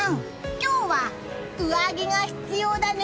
今日は上着が必要だね！